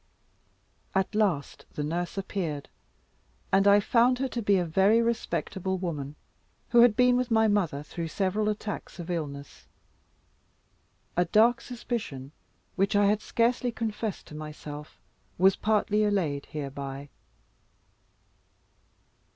At last the nurse appeared, and I found her to be a very respectable woman, who had been with my mother, through several attacks of illness. A dark suspicion, which I had scarcely confessed to myself, was partly allayed hereby.